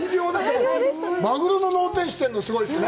マグロの脳天を知っているの、すごいですね。